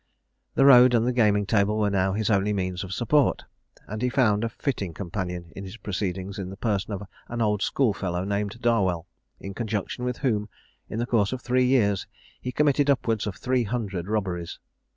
The road and the gaming table were now his only means of support, and he found a fitting companion in his proceedings in the person of an old schoolfellow named Darwell, in conjunction with whom, in the course of three years, he committed upwards of three hundred robberies.